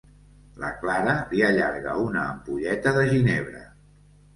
La Clara li allarga una ampolleta de ginebra.